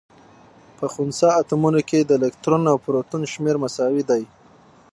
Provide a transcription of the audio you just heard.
په خنثا اتومونو کي د الکترون او پروتون شمېر مساوي. دی